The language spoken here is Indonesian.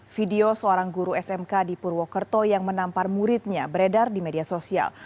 video seorang guru smk di purwokerto yang menampar muridnya beredar di media sosial